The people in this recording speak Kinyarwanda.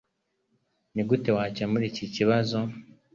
Nigute wakemura iki kibazo